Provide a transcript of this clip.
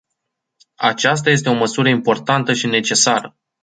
Aceasta este o măsură importantă și necesară.